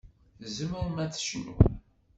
Tzemrem ad tecnum.